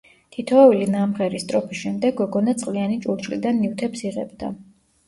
თითოეული ნამღერი სტროფის შემდეგ გოგონა წყლიანი ჭურჭლიდან ნივთებს იღებდა.